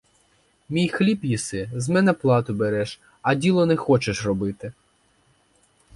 Мій хліб їси, з мене плату береш, а діла не хочеш робити!